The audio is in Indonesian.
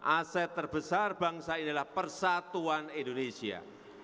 aset terbesar bangsa ini adalah persatuan indonesia